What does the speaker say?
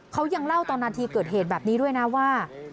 เขายังเล่าตอนนาทีเกิดเหตุแบบนี้ด้วยนะว่า